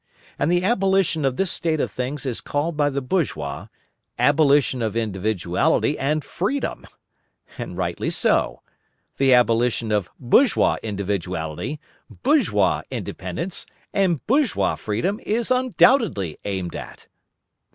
And the abolition of this state of things is called by the bourgeois, abolition of individuality and freedom! And rightly so. The abolition of bourgeois individuality, bourgeois independence, and bourgeois freedom is undoubtedly aimed at.